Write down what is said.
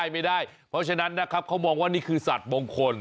ไม่ได้เพราะฉะนั้นนะครับเขามองว่านี่คือสัตว์มงคล